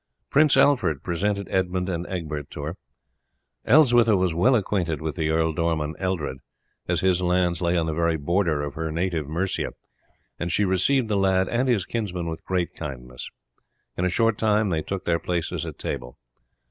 Prince Alfred presented Edmund and Egbert to her. Elswitha was well acquainted with the Ealdorman Eldred, as his lands lay on the very border of her native Mercia, and she received the lad and his kinsman with great kindness. In a short time they took their places at table.